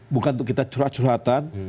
bukan untuk kita curhat curhatan